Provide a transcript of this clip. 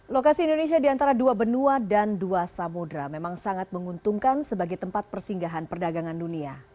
lokasi indonesia di antara dua benua dan dua samudera memang sangat menguntungkan sebagai tempat persinggahan perdagangan dunia